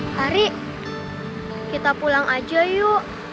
hari kita pulang aja yuk